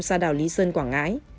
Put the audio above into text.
xa đảo lý sơn quảng ngãi